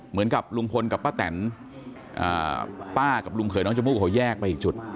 เหมือนกับลุงพลกับป้าแตนป้ากับลุงเขยน้องชมพู่เขาแยกไปอีกจุด